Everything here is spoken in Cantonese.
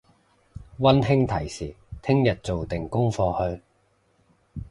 溫馨提示聽日做定功課去！